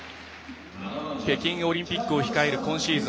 北京オリンピックを控える今シーズン。